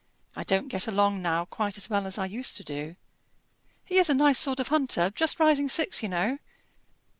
I don't get along now quite as well as I used to do. He is a nice sort of hunter; just rising six, you know."